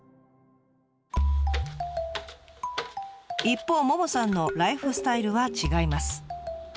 一方ももさんのライフスタイルは違います。